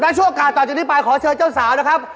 และช่วงโอกาสต่อจากนี้ไปขอเชิญเจ้าสาวนะครับ